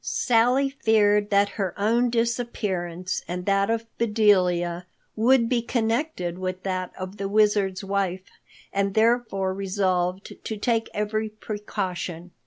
Sally feared that her own disappearance and that of Bedelia would be connected with that of the Wizard's wife, and therefore resolved to take every precaution.